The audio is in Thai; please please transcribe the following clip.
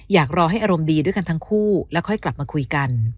อยากรอให้อารมณ์ดีด้วยกันทั้งคู่แล้วค่อยกลับมาคุยกัน